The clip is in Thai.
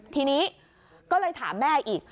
ทีนี้ก็เลยถามแม่อีก